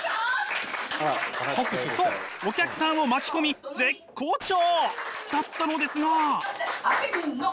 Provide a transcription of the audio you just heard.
とお客さんを巻き込み絶好調！だったのですが。